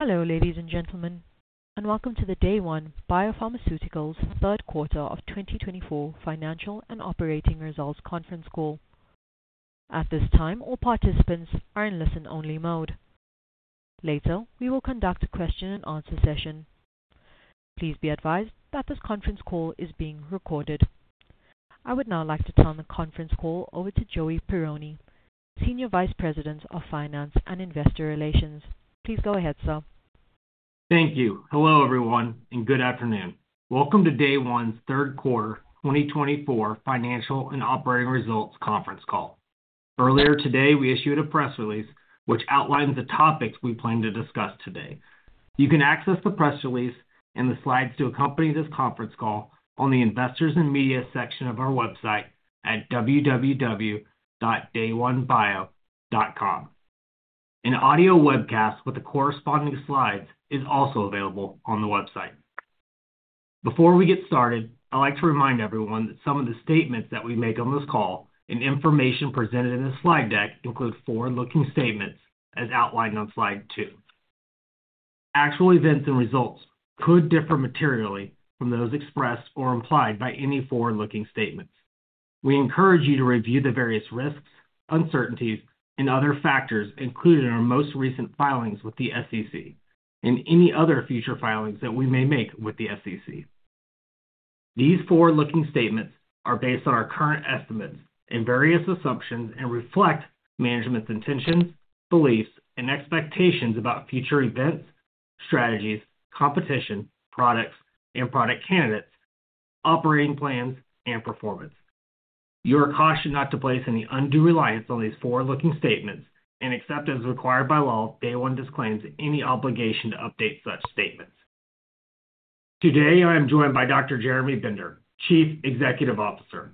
Hello, ladies and gentlemen, and welcome to the Day One Biopharmaceuticals Third Quarter of 2024 Financial and Operating Results Conference Call. At this time, all participants are in listen-only mode. Later, we will conduct a question-and-answer session. Please be advised that this conference call is being recorded. I would now like to turn the conference call over to Joey Perrone, Senior Vice President of Finance and Investor Relations. Please go ahead, sir. Thank you. Hello, everyone, and good afternoon. Welcome to Day One's third quarter 2024 financial and operating results conference call. Earlier today, we issued a press release which outlined the topics we plan to discuss today. You can access the press release and the slides to accompany this conference call on the investors and media section of our website at www.dayonebio.com. An audio webcast with the corresponding slides is also available on the website. Before we get started, I'd like to remind everyone that some of the statements that we make on this call and information presented in this slide deck include forward-looking statements as outlined on slide two. Actual events and results could differ materially from those expressed or implied by any forward-looking statements. We encourage you to review the various risks, uncertainties, and other factors included in our most recent filings with the SEC and any other future filings that we may make with the SEC. These forward-looking statements are based on our current estimates and various assumptions and reflect management's intentions, beliefs, and expectations about future events, strategies, competition, products and product candidates, operating plans, and performance. You are cautioned not to place any undue reliance on these forward-looking statements, and, as required by law, Day One disclaims any obligation to update such statements. Today, I am joined by Dr. Jeremy Bender, Chief Executive Officer;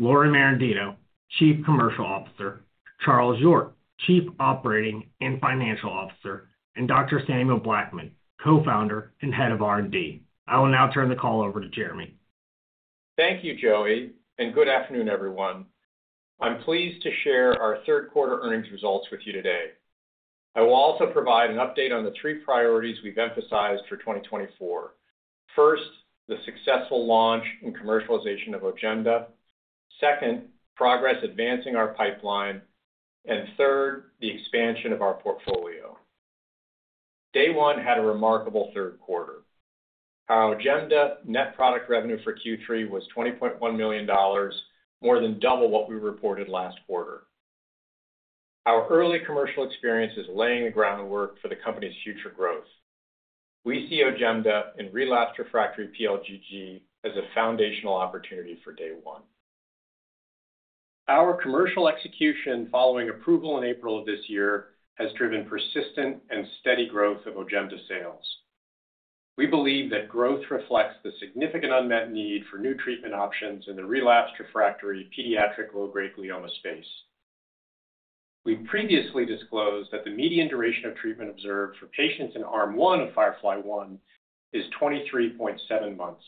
Lauren Merendino, Chief Commercial Officer; Charles York, Chief Operating and Financial Officer; and Dr. Samuel Blackman, Co-founder and Head of R&D. I will now turn the call over to Jeremy. Thank you, Joey, and good afternoon, everyone. I'm pleased to share our third quarter earnings results with you today. I will also provide an update on the three priorities we've emphasized for 2024. First, the successful launch and commercialization of Ojemda. Second, progress advancing our pipeline. And third, the expansion of our portfolio. Day One had a remarkable third quarter. Ojemda net product revenue for Q3 was $20.1 million, more than double what we reported last quarter. Our early commercial experience is laying the groundwork for the company's future growth. We see Ojemda in relapsed/refractory PLGG as a foundational opportunity for Day One. Our commercial execution following approval in April of this year has driven persistent and steady growth of Ojemda sales. We believe that growth reflects the significant unmet need for new treatment options in the relapsed/refractory pediatric low-grade glioma space. We previously disclosed that the median duration of treatment observed for patients in Arm One of FIREFLY-1 is 23.7 months.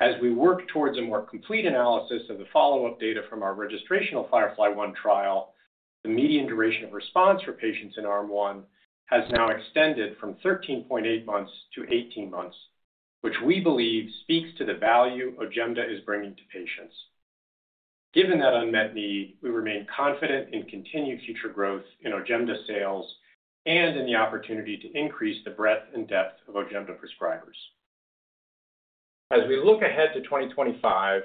As we work towards a more complete analysis of the follow-up data from our registrational FIREFLY-1 trial, the median duration of response for patients in Arm One has now extended from 13.8 months-18 months, which we believe speaks to the value Ojemda is bringing to patients. Given that unmet need, we remain confident in continued future growth in our Ojemda sales and in the opportunity to increase the breadth and depth of our Ojemda prescribers. As we look ahead to 2025,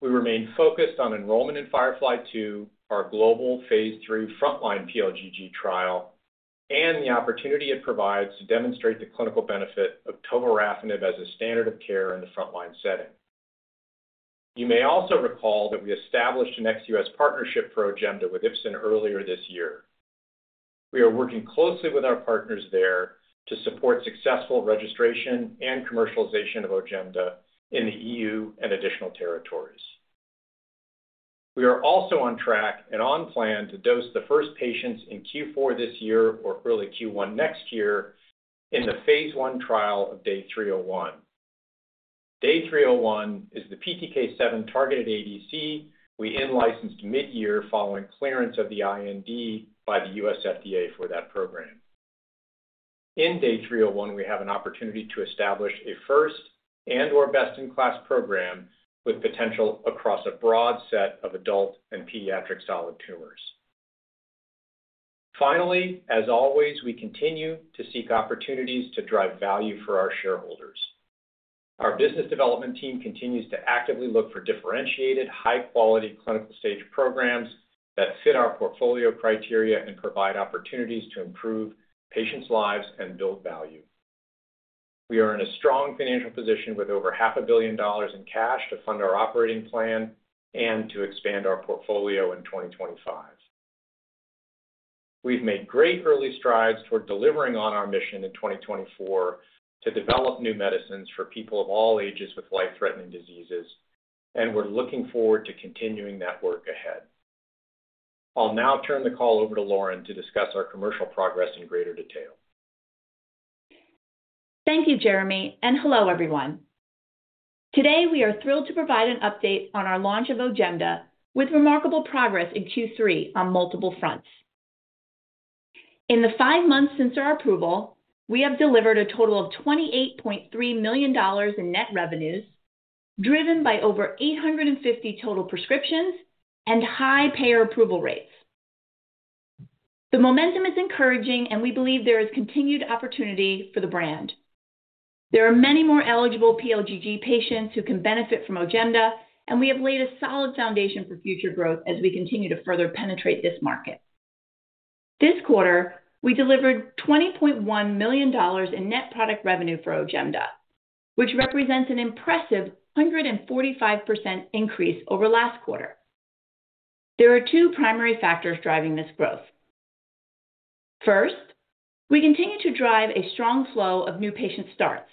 we remain focused on enrollment in FIREFLY-2, our global Phase 3 frontline PLGG trial, and the opportunity it provides to demonstrate the clinical benefit of tovorafenib as a standard of care in the frontline setting. You may also recall that we established an ex-U.S. partnership for Ojemda with Ipsen earlier this year. We are working closely with our partners there to support successful registration and commercialization of Ojemda in the E.U. and additional territories. We are also on track and on plan to dose the first patients in Q4 this year or early Q1 next year in the Phase 1 trial of DAY301. DAY 301 is the PTK7 targeted ADC we in-licensed mid-year following clearance of the IND by the U.S. FDA for that program. In DAY301, we have an opportunity to establish a first and/or best-in-class program with potential across a broad set of adult and pediatric solid tumors. Finally, as always, we continue to seek opportunities to drive value for our shareholders. Our business development team continues to actively look for differentiated, high-quality clinical stage programs that fit our portfolio criteria and provide opportunities to improve patients' lives and build value. We are in a strong financial position with over $500 million in cash to fund our operating plan and to expand our portfolio in 2025. We've made great early strides toward delivering on our mission in 2024 to develop new medicines for people of all ages with life-threatening diseases, and we're looking forward to continuing that work ahead. I'll now turn the call over to Lauren to discuss our commercial progress in greater detail. Thank you, Jeremy, and hello, everyone. Today, we are thrilled to provide an update on our launch of Ojemda with remarkable progress in Q3 on multiple fronts. In the five months since our approval, we have delivered a total of $28.3 million in net revenues driven by over 850 total prescriptions and high payer approval rates. The momentum is encouraging, and we believe there is continued opportunity for the brand. There are many more eligible PLGG patients who can benefit from Ojemda, and we have laid a solid foundation for future growth as we continue to further penetrate this market. This quarter, we delivered $20.1 million in net product revenue for Ojemda, which represents an impressive 145% increase over last quarter. There are two primary factors driving this growth. First, we continue to drive a strong flow of new patient starts.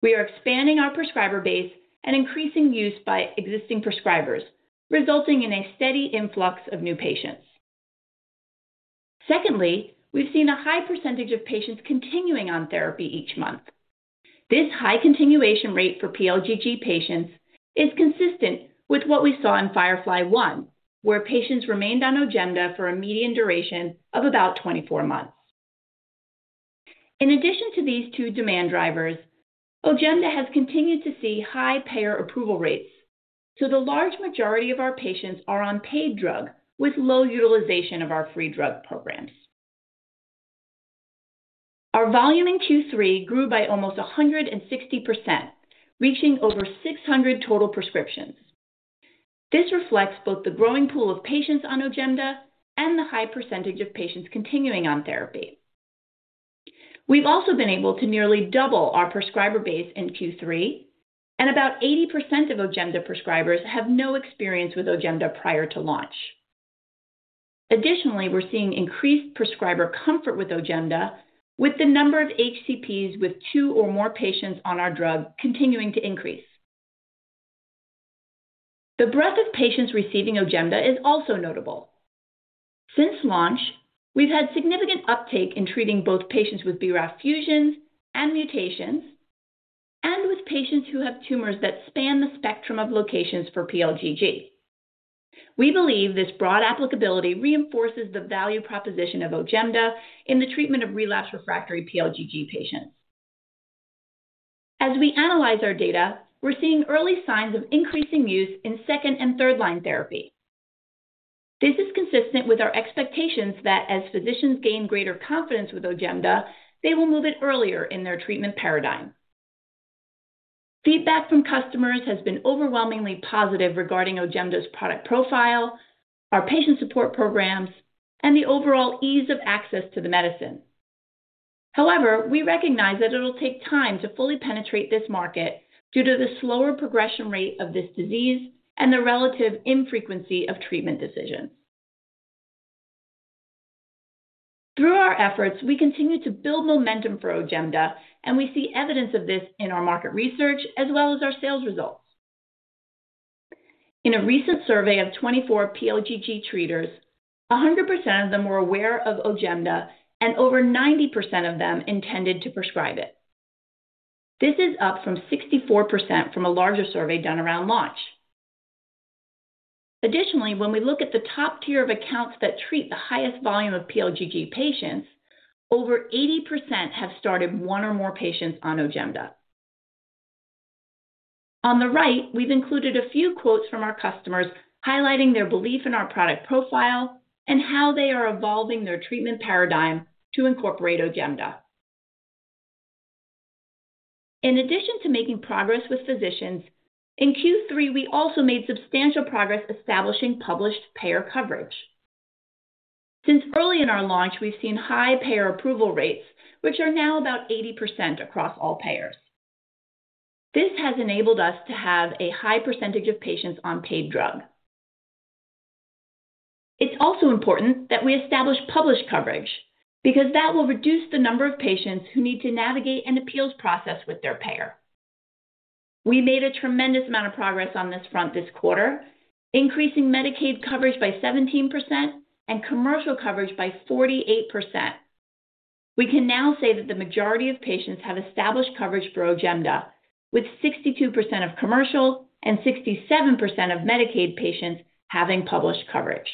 We are expanding our prescriber base and increasing use by existing prescribers, resulting in a steady influx of new patients. Secondly, we've seen a high percentage of patients continuing on therapy each month. This high continuation rate for PLGG patients is consistent with what we saw in FIREFLY-1, where patients remained on Ojemda for a median duration of about 24 months. In addition to these two demand drivers, Ojemda has continued to see high payer approval rates, so the large majority of our patients are on paid drug with low utilization of our free drug programs. Our volume in Q3 grew by almost 160%, reaching over 600 total prescriptions. This reflects both the growing pool of patients on Ojemda and the high % of patients continuing on therapy. We've also been able to nearly double our prescriber base in Q3, and about 80% of our Ojemda prescribers have no experience with Ojemda prior to launch. Additionally, we're seeing increased prescriber comfort with Ojemda, with the number of HCPs with two or more patients on our drug continuing to increase. The breadth of patients receiving Ojemda is also notable. Since launch, we've had significant uptake in treating both patients with BRAF fusions and mutations and with patients who have tumors that span the spectrum of locations for PLGG. We believe this broad applicability reinforces the value proposition of Ojemda in the treatment of relapsed/refractory PLGG patients. As we analyze our data, we're seeing early signs of increasing use in second- and third-line therapy. This is consistent with our expectations that as physicians gain greater confidence with Ojemda, they will move it earlier in their treatment paradigm. Feedback from customers has been overwhelmingly positive regarding Ojemda's product profile, our patient support programs, and the overall ease of access to the medicine. However, we recognize that it'll take time to fully penetrate this market due to the slower progression rate of this disease and the relative infrequency of treatment decisions. Through our efforts, we continue to build momentum for Ojemda, and we see evidence of this in our market research as well as our sales results. In a recent survey of 24 PLGG treaters, 100% of them were aware of Ojemda, and over 90% of them intended to prescribe it. This is up from 64% from a larger survey done around launch. Additionally, when we look at the top tier of accounts that treat the highest volume of PLGG patients, over 80% have started one or more patients on Ojemda. On the right, we've included a few quotes from our customers highlighting their belief in our product profile and how they are evolving their treatment paradigm to incorporate Ojemda. In addition to making progress with physicians, in Q3, we also made substantial progress establishing published payer coverage. Since early in our launch, we've seen high payer approval rates, which are now about 80% across all payers. This has enabled us to have a high percentage of patients on paid drug. It's also important that we establish published coverage because that will reduce the number of patients who need to navigate an appeals process with their payer. We made a tremendous amount of progress on this front this quarter, increasing Medicaid coverage by 17% and commercial coverage by 48%. We can now say that the majority of patients have established coverage for Ojemda, with 62% of commercial and 67% of Medicaid patients having established coverage.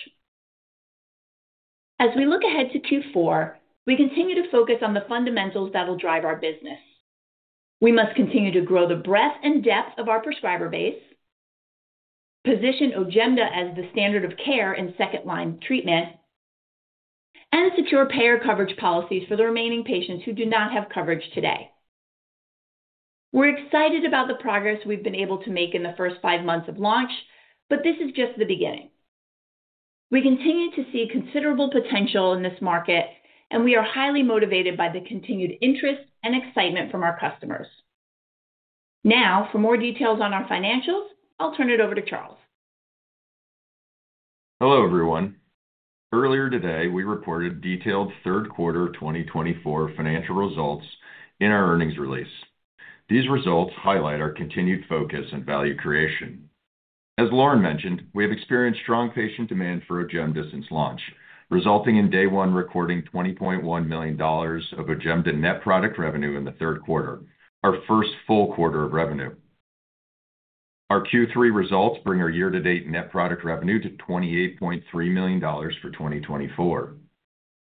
As we look ahead to Q4, we continue to focus on the fundamentals that will drive our business. We must continue to grow the breadth and depth of our prescriber base, position Ojemda as the standard of care in second-line treatment, and secure payer coverage policies for the remaining patients who do not have coverage today. We're excited about the progress we've been able to make in the first five months of launch, but this is just the beginning. We continue to see considerable potential in this market, and we are highly motivated by the continued interest and excitement from our customers. Now, for more details on our financials, I'll turn it over to Charles. Hello, everyone. Earlier today, we reported detailed third quarter 2024 financial results in our earnings release. These results highlight our continued focus on value creation. As Lauren mentioned, we have experienced strong patient demand for Ojemda since launch, resulting in Day One recording $20.1 million of Ojemda net product revenue in the third quarter, our first full quarter of revenue. Our Q3 results bring our year-to-date net product revenue to $28.3 million for 2024.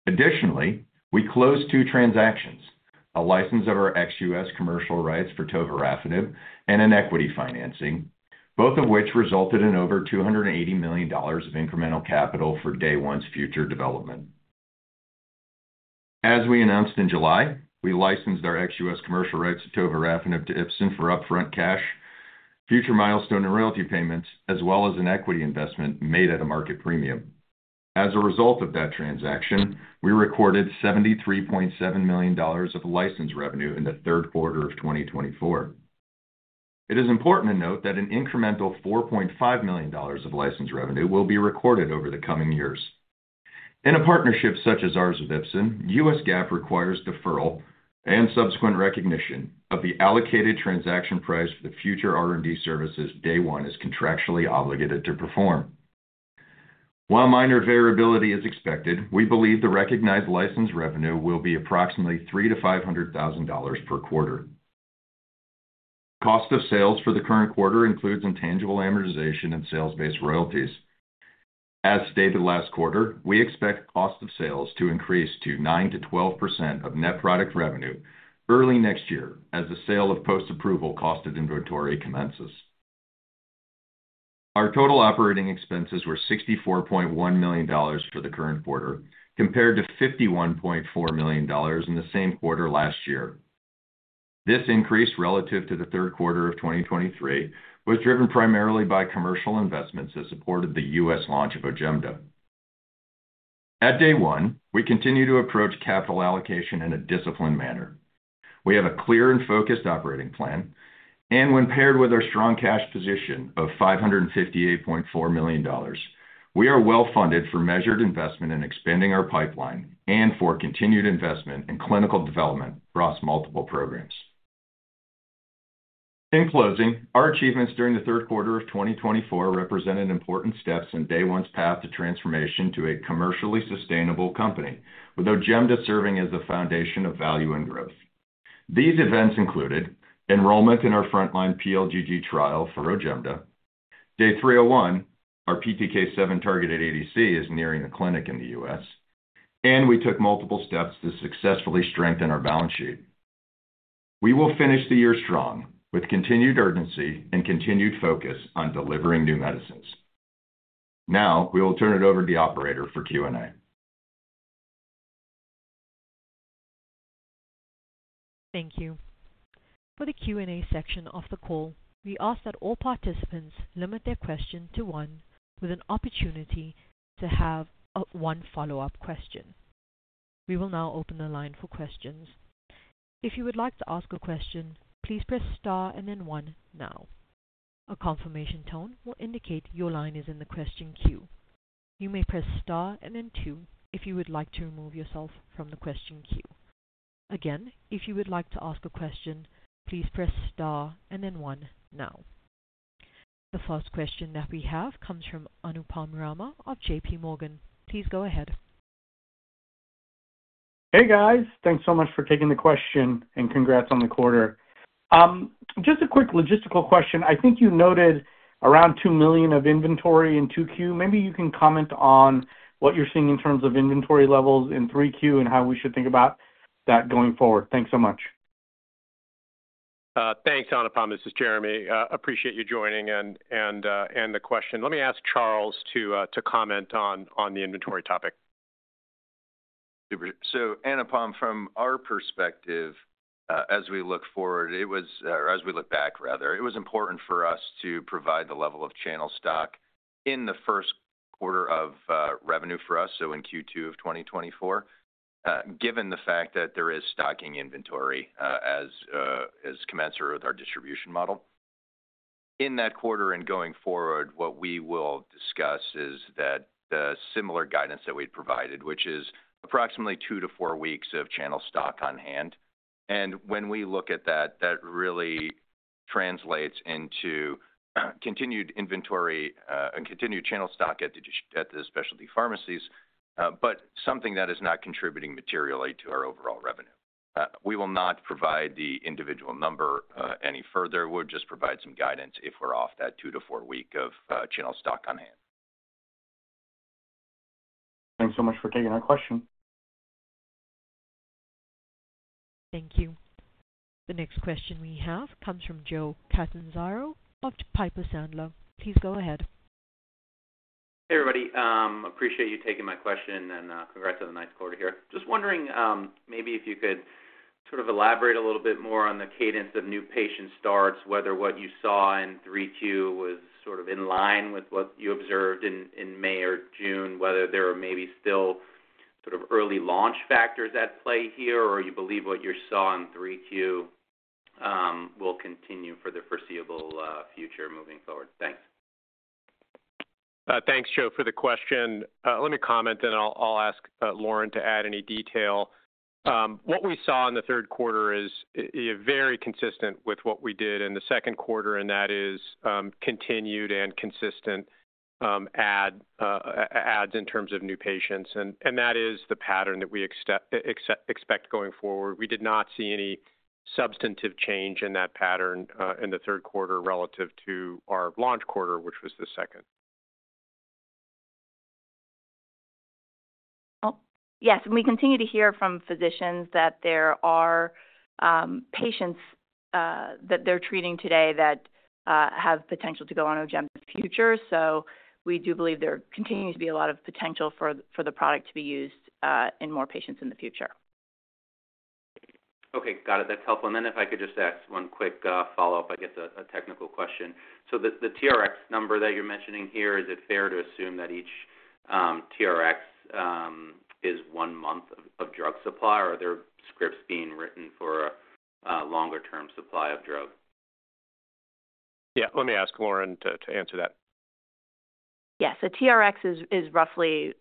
Additionally, we closed two transactions: a license of our ex-U.S. commercial rights for tovorafenib and an equity financing, both of which resulted in over $280 million of incremental capital for Day One's future development. As we announced in July, we licensed our ex-U.S. commercial rights for tovorafenib to Ipsen for upfront cash, future milestone and royalty payments, as well as an equity investment made at a market premium. As a result of that transaction, we recorded $73.7 million of license revenue in the third quarter of 2024. It is important to note that an incremental $4.5 million of license revenue will be recorded over the coming years. In a partnership such as ours with Ipsen, U.S. GAAP requires deferral and subsequent recognition of the allocated transaction price for the future R&D services Day One is contractually obligated to perform. While minor variability is expected, we believe the recognized license revenue will be approximately $300,000-$500,000 per quarter. Cost of sales for the current quarter includes intangible amortization and sales-based royalties. As stated last quarter, we expect cost of sales to increase to 9%-12% of net product revenue early next year as the sale of post-approval cost of inventory commences. Our total operating expenses were $64.1 million for the current quarter, compared to $51.4 million in the same quarter last year. This increase relative to the third quarter of 2023 was driven primarily by commercial investments that supported the U.S. launch of Ojemda. At Day One, we continue to approach capital allocation in a disciplined manner. We have a clear and focused operating plan, and when paired with our strong cash position of $558.4 million, we are well-funded for measured investment in expanding our pipeline and for continued investment in clinical development across multiple programs. In closing, our achievements during the third quarter of 2024 represented important steps in Day One's path to transformation to a commercially sustainable company, with Ojemda serving as the foundation of value and growth. These events included enrollment in our frontline PLGG trial for Ojemda, DAY301, our PTK7 targeted ADC is nearing a clinic in the U.S., and we took multiple steps to successfully strengthen our balance sheet. We will finish the year strong with continued urgency and continued focus on delivering new medicines. Now, we will turn it over to the operator for Q&A. Thank you. For the Q&A section of the call, we ask that all participants limit their question to one with an opportunity to have one follow-up question. We will now open the line for questions. If you would like to ask a question, please press star and then one now. A confirmation tone will indicate your line is in the question queue. You may press star and then two if you would like to remove yourself from the question queue. Again, if you would like to ask a question, please press star and then one now. The first question that we have comes from Anupam Rama of JPMorgan. Please go ahead. Hey, guys. Thanks so much for taking the question and congrats on the quarter. Just a quick logistical question. I think you noted around $2 million of inventory in 2Q. Maybe you can comment on what you're seeing in terms of inventory levels in 3Q and how we should think about that going forward. Thanks so much. Thanks, Anupam. This is Jeremy. Appreciate you joining and the question. Let me ask Charles to comment on the inventory topic. Super. So Anupam, from our perspective, as we look forward, it was, or as we look back, rather, it was important for us to provide the level of channel stock in the first quarter of revenue for us, so in Q2 of 2024, given the fact that there is stocking inventory as commensurate with our distribution model. In that quarter and going forward, what we will discuss is that similar guidance that we've provided, which is approximately two to four weeks of channel stock on hand. And when we look at that, that really translates into continued inventory and continued channel stock at the specialty pharmacies, but something that is not contributing materially to our overall revenue. We will not provide the individual number any further. We'll just provide some guidance if we're off that two to four week of channel stock on hand. Thanks so much for taking our question. Thank you. The next question we have comes from Joe Catanzaro of Piper Sandler. Please go ahead. Hey, everybody. Appreciate you taking my question and congrats on the ninth quarter here. Just wondering maybe if you could sort of elaborate a little bit more on the cadence of new patient starts, whether what you saw in 3Q was sort of in line with what you observed in May or June, whether there are maybe still sort of early launch factors at play here, or you believe what you saw in 3Q will continue for the foreseeable future moving forward? Thanks. Thanks, Joe, for the question. Let me comment, and I'll ask Lauren to add any detail. What we saw in the third quarter is very consistent with what we did in the second quarter, and that is continued and consistent adds in terms of new patients. And that is the pattern that we expect going forward. We did not see any substantive change in that pattern in the third quarter relative to our launch quarter, which was the second. Yes. And we continue to hear from physicians that there are patients that they're treating today that have potential to go on Ojemda in the future. So we do believe there continues to be a lot of potential for the product to be used in more patients in the future. Okay. Got it. That's helpful. And then if I could just ask one quick follow-up, I guess, a technical question. So the TRx number that you're mentioning here, is it fair to assume that each TRx is one month of drug supply, or are there scripts being written for a longer-term supply of drug? Yeah. Let me ask Lauren to answer that. Yes. A TRx is roughly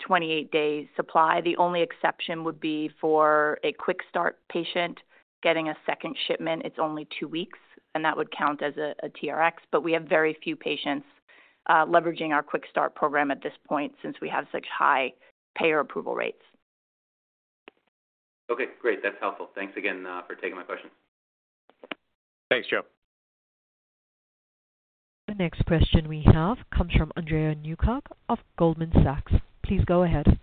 28 days' supply. The only exception would be for a QuickStart patient getting a second shipment. It's only two weeks, and that would count as a TRx. But we have very few patients leveraging our QuickStart program at this point since we have such high payer approval rates. Okay. Great. That's helpful. Thanks again for taking my question. Thanks, Joe. The next question we have comes from Andrea Newkirk of Goldman Sachs. Please go ahead.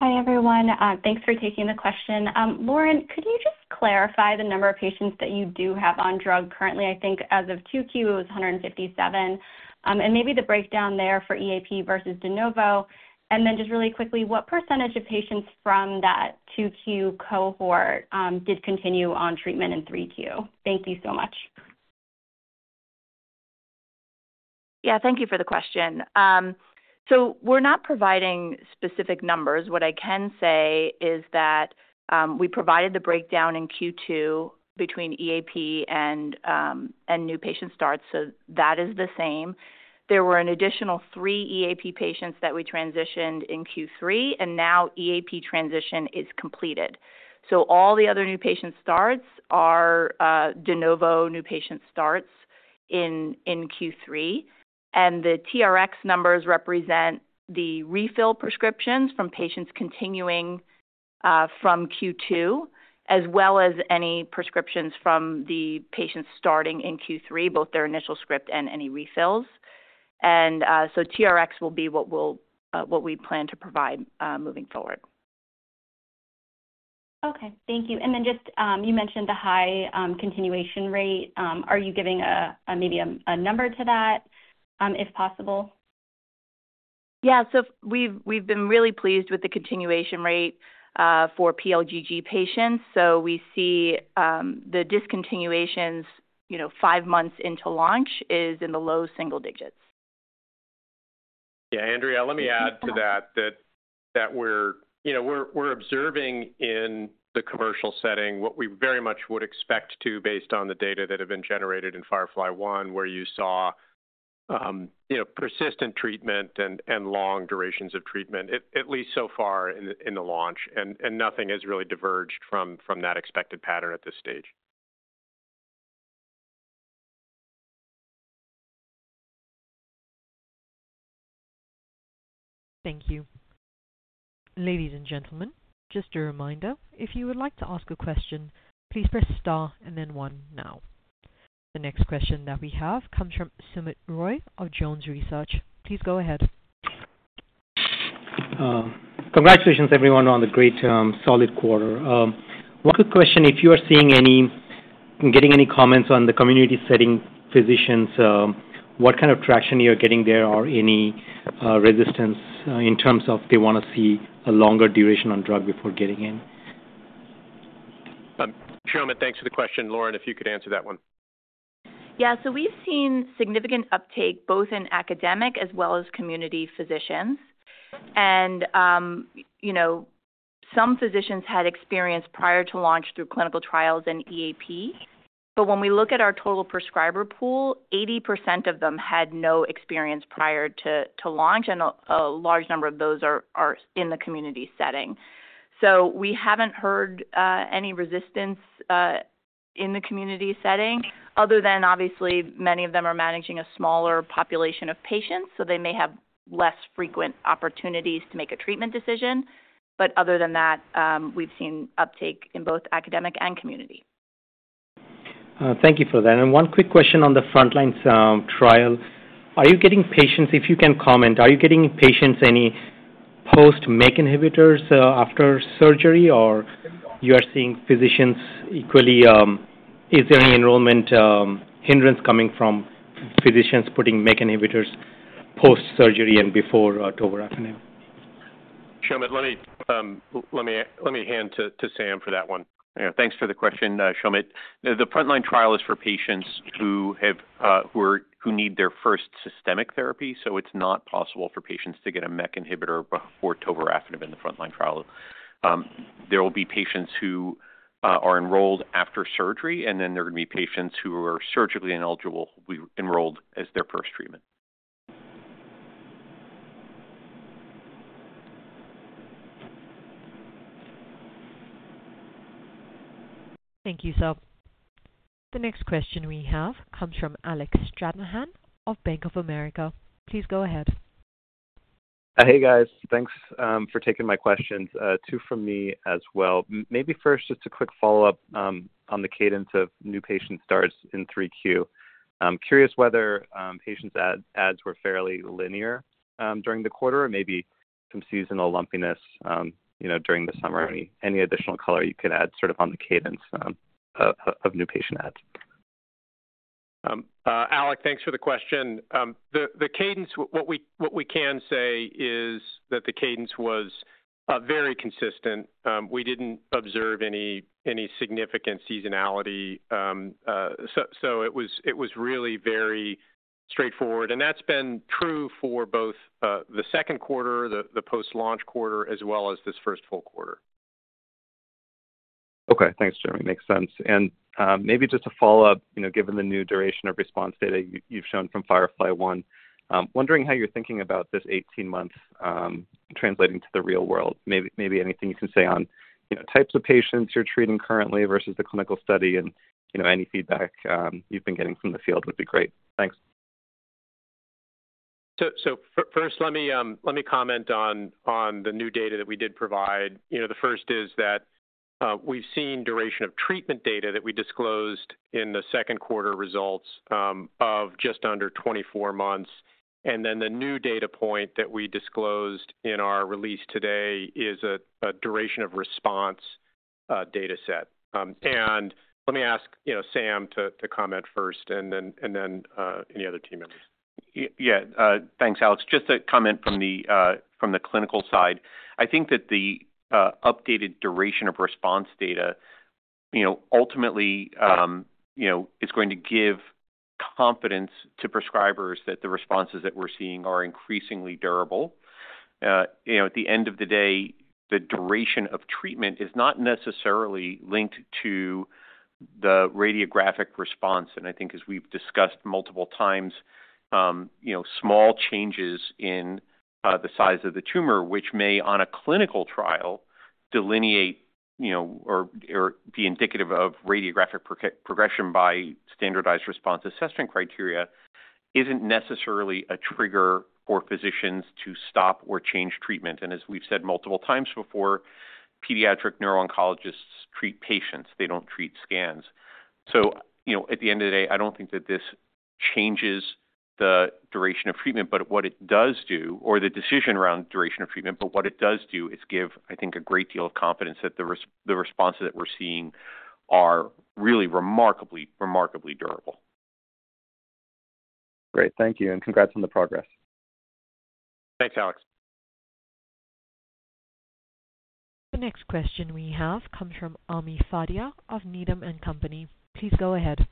Hi, everyone. Thanks for taking the question. Lauren, could you just clarify the number of patients that you do have on drug currently? I think as of 2Q, it was 157, and maybe the breakdown there for EAP vs de novo, and then just really quickly, what percentage of patients from that 2Q cohort did continue on treatment in 3Q? Thank you so much. Yeah. Thank you for the question. So we're not providing specific numbers. What I can say is that we provided the breakdown in Q2 between EAP and new patient starts, so that is the same. There were an additional three EAP patients that we transitioned in Q3, and now EAP transition is completed. So all the other new patient starts are de novo new patient starts in Q3. And the TRx numbers represent the refill prescriptions from patients continuing from Q2, as well as any prescriptions from the patients starting in Q3, both their initial script and any refills. And so TRx will be what we plan to provide moving forward. Okay. Thank you. And then just you mentioned the high continuation rate. Are you giving maybe a number to that, if possible? Yeah. So we've been really pleased with the continuation rate for PLGG patients. So we see the discontinuations five months into launch is in the low single digits. Yeah. Andrea, let me add to that that we're observing in the commercial setting what we very much would expect to, based on the data that have been generated in FIREFLY-1, where you saw persistent treatment and long durations of treatment, at least so far in the launch, and nothing has really diverged from that expected pattern at this stage. Thank you. Ladies and gentlemen, just a reminder, if you would like to ask a question, please press star and then one now. The next question that we have comes from Soumit Roy of Jones Research. Please go ahead. Congratulations, everyone, on the great, solid quarter. One quick question. If you are seeing or getting any comments from the community setting physicians, what kind of traction you are getting there or any resistance in terms of they want to see a longer duration on drug before getting in? Soumit, thanks for the question. Lauren, if you could answer that one. Yeah. So we've seen significant uptake both in academic as well as community physicians. And some physicians had experience prior to launch through clinical trials and EAP. But when we look at our total prescriber pool, 80% of them had no experience prior to launch, and a large number of those are in the community setting. So we haven't heard any resistance in the community setting other than, obviously, many of them are managing a smaller population of patients, so they may have less frequent opportunities to make a treatment decision. But other than that, we've seen uptake in both academic and community. Thank you for that, and one quick question on the frontline trial. Are you getting patients? If you can comment, are you getting patients any post-MEK inhibitors after surgery, or you are seeing physicians equally? Is there any enrollment hindrance coming from physicians putting MEK inhibitors post-surgery and before tovorafenib? Chairman, let me hand to Sam for that one. Thanks for the question, Sumit. The frontline trial is for patients who need their first systemic therapy, so it's not possible for patients to get a MEK inhibitor before tovorafenib in the frontline trial. There will be patients who are enrolled after surgery, and then there are going to be patients who are surgically ineligible enrolled as their first treatment. Thank you, sir. The next question we have comes from Alec Stranahan of Bank of America. Please go ahead. Hey, guys. Thanks for taking my questions. Two from me as well. Maybe first, just a quick follow-up on the cadence of new patient starts in 3Q. Curious whether patient adds were fairly linear during the quarter or maybe some seasonal lumpiness during the summer. Any additional color you could add sort of on the cadence of new patient adds? Alec, thanks for the question. The cadence, what we can say is that the cadence was very consistent. We didn't observe any significant seasonality. So it was really very straightforward. And that's been true for both the second quarter, the post-launch quarter, as well as this first full quarter. Okay. Thanks, Jeremy. Makes sense. And maybe just a follow-up, given the new duration of response data you've shown from FIREFLY-1, wondering how you're thinking about this 18-month translating to the real world. Maybe anything you can say on types of patients you're treating currently versus the clinical study and any feedback you've been getting from the field would be great. Thanks. First, let me comment on the new data that we did provide. The first is that we've seen duration of treatment data that we disclosed in the second quarter results of just under 24 months. Then the new data point that we disclosed in our release today is a duration of response data set. Let me ask Sam to comment first and then any other team members. Yeah. Thanks, Alec. Just a comment from the clinical side. I think that the updated duration of response data ultimately is going to give confidence to prescribers that the responses that we're seeing are increasingly durable. At the end of the day, the duration of treatment is not necessarily linked to the radiographic response. And I think, as we've discussed multiple times, small changes in the size of the tumor, which may, on a clinical trial, delineate or be indicative of radiographic progression by standardized response assessment criteria, isn't necessarily a trigger for physicians to stop or change treatment. And as we've said multiple times before, pediatric neuro-oncologists treat patients. They don't treat scans. So at the end of the day, I don't think that this changes the duration of treatment, but what it does do is give, I think, a great deal of confidence that the responses that we're seeing are really remarkably, remarkably durable. Great. Thank you. And congrats on the progress. Thanks, Alec. The next question we have comes from Ami Fadia of Needham & Company. Please go ahead.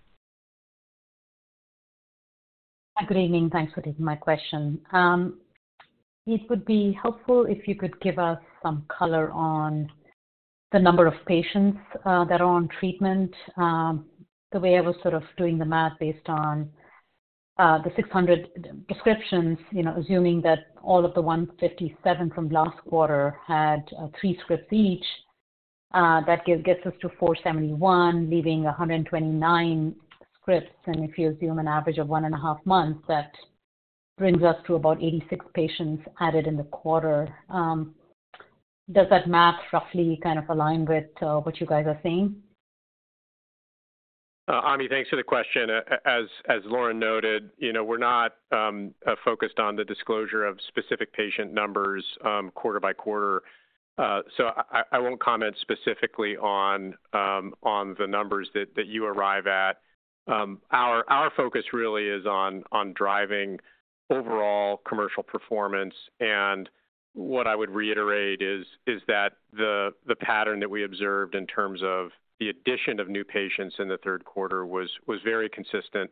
Good evening. Thanks for taking my question. It would be helpful if you could give us some color on the number of patients that are on treatment. The way I was sort of doing the math based on the 600 prescriptions, assuming that all of the 157 from last quarter had three scripts each, that gets us to 471, leaving 129 scripts, and if you assume an average of one and a half months, that brings us to about 86 patients added in the quarter. Does that math roughly kind of align with what you guys are seeing? Ami, thanks for the question. As Lauren noted, we're not focused on the disclosure of specific patient numbers quarter by quarter. So I won't comment specifically on the numbers that you arrive at. Our focus really is on driving overall commercial performance. And what I would reiterate is that the pattern that we observed in terms of the addition of new patients in the third quarter was very consistent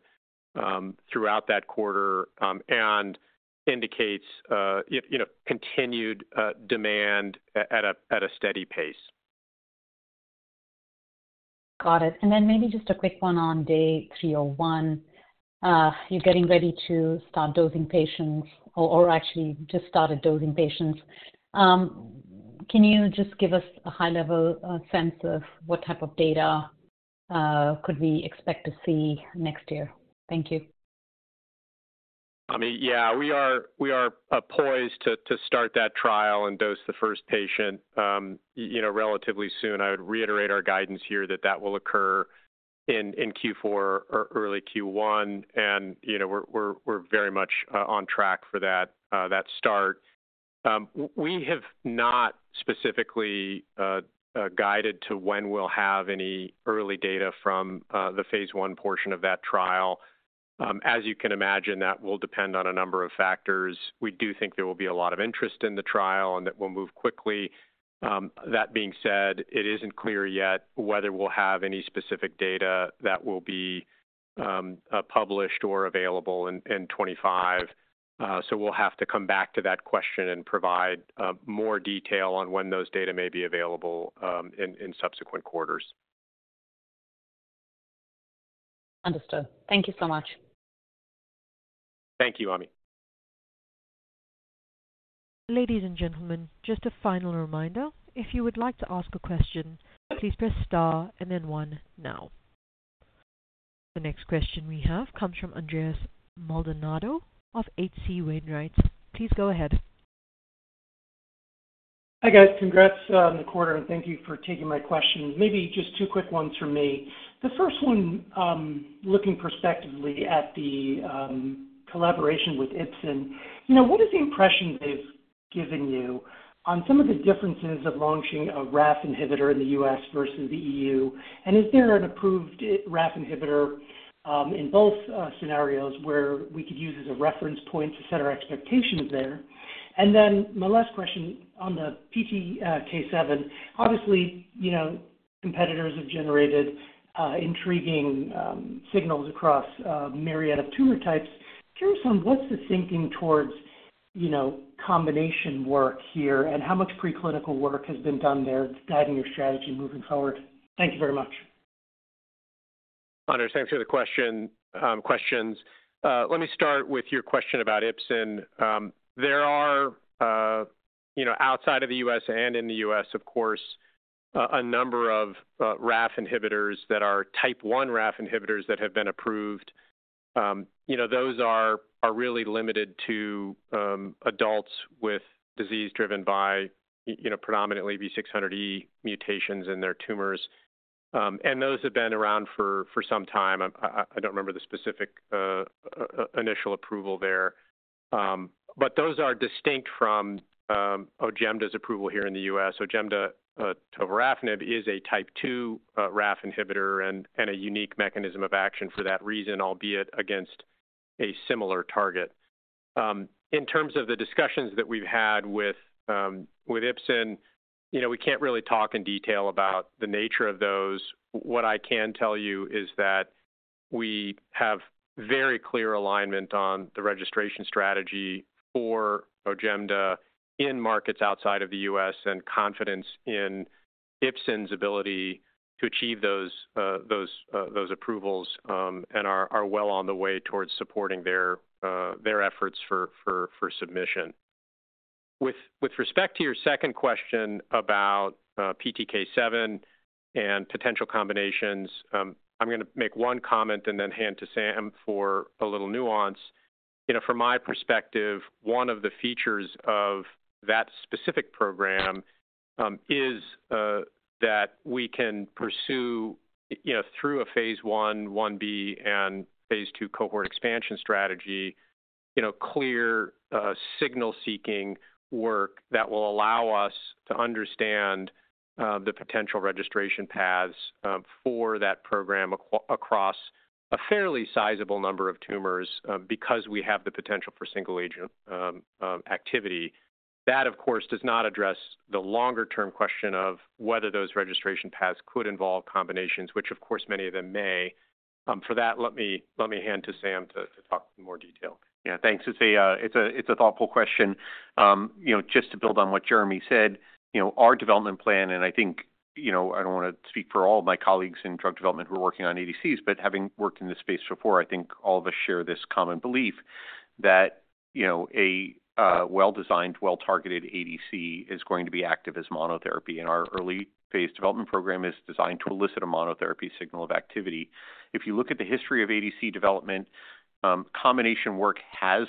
throughout that quarter and indicates continued demand at a steady pace. Got it. And then maybe just a quick one on DAY301. You're getting ready to start dosing patients or actually just started dosing patients. Can you just give us a high-level sense of what type of data could we expect to see next year? Thank you. I mean, yeah, we are poised to start that trial and dose the first patient relatively soon. I would reiterate our guidance here that that will occur in Q4 or early Q1, and we're very much on track for that start. We have not specifically guided to when we'll have any early data from the phase one portion of that trial. As you can imagine, that will depend on a number of factors. We do think there will be a lot of interest in the trial and that we'll move quickly. That being said, it isn't clear yet whether we'll have any specific data that will be published or available in 2025, so we'll have to come back to that question and provide more detail on when those data may be available in subsequent quarters. Understood. Thank you so much. Thank you, Ami. Ladies and gentlemen, just a final reminder. If you would like to ask a question, please press star and then one now. The next question we have comes from Andres Maldonado of H.C. Wainwright. Please go ahead. Hi guys. Congrats on the quarter, and thank you for taking my questions. Maybe just two quick ones from me. The first one, looking prospectively at the collaboration with Ipsen, what is the impression they've given you on some of the differences of launching a RAF inhibitor in the U.S. vs the E.U.? And is there an approved RAF inhibitor in both scenarios where we could use as a reference point to set our expectations there? And then my last question on the PTK7. Obviously, competitors have generated intriguing signals across a myriad of tumor types. Curious on what's the thinking towards combination work here and how much preclinical work has been done there guiding your strategy moving forward? Thank you very much. Understood. Thank you for the questions. Let me start with your question about Ipsen. There are, outside of the U.S. and in the U.S., of course, a number of RAF inhibitors that are Type 1 RAF inhibitors that have been approved. Those are really limited to adults with disease driven by predominantly V600E mutations in their tumors. And those have been around for some time. I don't remember the specific initial approval there. But those are distinct from Ojemda's approval here in the U.S. Ojemda tovorafenib is a Type 2 RAF inhibitor and a unique mechanism of action for that reason, albeit against a similar target. In terms of the discussions that we've had with Ipsen, we can't really talk in detail about the nature of those. What I can tell you is that we have very clear alignment on the registration strategy for Ojemda in markets outside of the U.S. and confidence in Ipsen's ability to achieve those approvals and are well on the way towards supporting their efforts for submission. With respect to your second question about PTK7 and potential combinations, I'm going to make one comment and then hand to Sam for a little nuance. From my perspective, one of the features of that specific program is that we can pursue, through a Phase 1, 1b, and Phase 2 cohort expansion strategy, clear signal-seeking work that will allow us to understand the potential registration paths for that program across a fairly sizable number of tumors because we have the potential for single-agent activity. That, of course, does not address the longer-term question of whether those registration paths could involve combinations, which, of course, many of them may. For that, let me hand to Sam to talk in more detail. Yeah. Thanks. It's a thoughtful question. Just to build on what Jeremy said, our development plan, and I think I don't want to speak for all of my colleagues in drug development who are working on ADCs, but having worked in this space before, I think all of us share this common belief that a well-designed, well-targeted ADC is going to be active as monotherapy. And our early phase development program is designed to elicit a monotherapy signal of activity. If you look at the history of ADC development, combination work has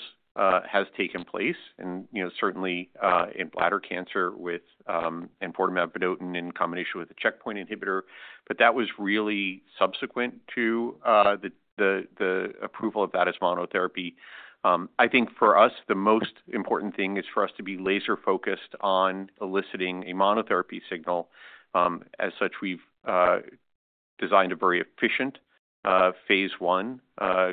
taken place, and certainly in bladder cancer with enfortumab vedotin in combination with a checkpoint inhibitor, but that was really subsequent to the approval of that as monotherapy. I think for us, the most important thing is for us to be laser-focused on eliciting a monotherapy signal. As such, we've designed a very efficient Phase 1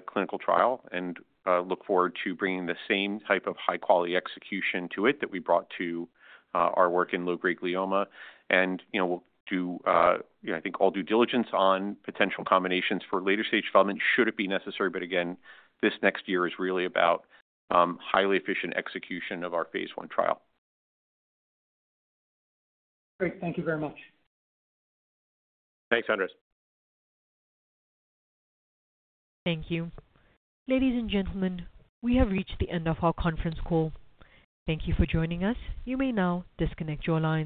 clinical trial and look forward to bringing the same type of high-quality execution to it that we brought to our work in low-grade glioma, and we'll do, I think, all due diligence on potential combinations for later stage development should it be necessary, but again, this next year is really about highly efficient execution of our Phase 1 trial. Great. Thank you very much. Thanks, Andres. Thank you. Ladies and gentlemen, we have reached the end of our conference call. Thank you for joining us. You may now disconnect your line.